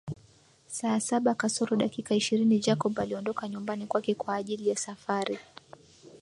Saa saba kasoro dakika ishirini Jacob aliondoka nyumbani kwake kwaajili ya safari